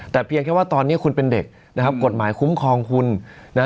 แต่เพียงแค่ว่าตอนนี้คุณเป็นเด็กนะครับกฎหมายคุ้มครองคุณนะ